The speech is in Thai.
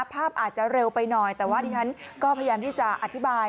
ภาพอาจจะเร็วไปหน่อยแต่ว่าดิฉันก็พยายามที่จะอธิบาย